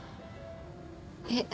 えっ。